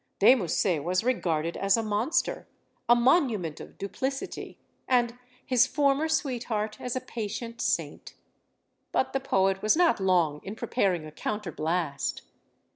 De Musset was regarded as a monster, a monument of duplicity, and his former sweetheart as a patient saint. But the poet was not long in pre paring a counterblast.